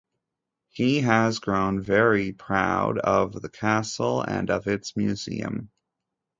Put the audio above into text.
He has grown very proud of the castle, and of its museum.